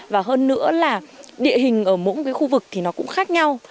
và hơn nữa là địa hình ở mỗi cái khu vực thì nó cũng khác nhau